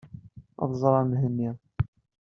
Ad ẓreɣ Mhenni.